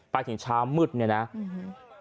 ไปถึงเช้ามืดเนี่ยนะอืม